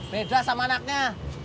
beda sama anaknya